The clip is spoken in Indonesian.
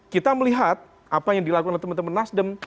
kita melihat apa yang dilakukan oleh teman teman nasdem